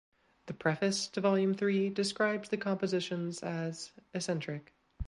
The preface to volume three describes the compositions as "eccentric".